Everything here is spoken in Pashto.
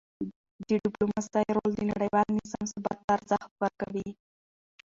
د ډیپلوماسی رول د نړیوال نظام ثبات ته ارزښت ورکوي.